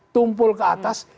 tumpul ke atas